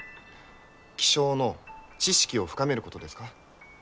気象の知識を深めることですか？